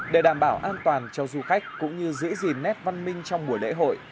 để đảm bảo an toàn cho du khách cũng như giữ gìn nét văn minh trong buổi lễ hội